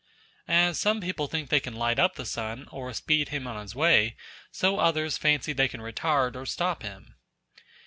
As some people think they can light up the sun or speed him on his way, so others fancy they can retard or stop him.